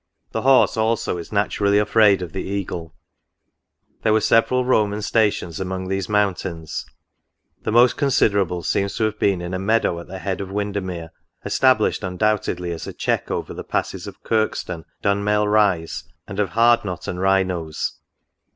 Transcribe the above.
The horse also is naturally afraid of the eagle There were several Roman stations among these mountains ; the most considerable seems to have been in a meadow at the head of Windermere, established, undoubtedly, as a check over the passes of Kirkstone, Dunmail raise, and of Hardknot and Wrynose.